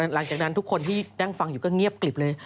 หลังจากนั้นทุกคนที่นั่งฟังอยู่ก็เงียบกลิบเลย